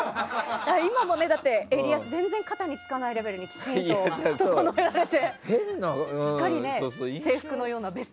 今も襟足全然、肩につかないレベルできちんと整えられて。